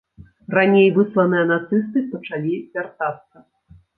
Раней высланыя нацысты пачалі вяртацца.